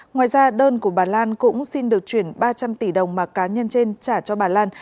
ngoài ra đơn của bà lan cũng xin được chuyển ba trăm linh tỷ đồng mà cá nhân trên trả cho bà lan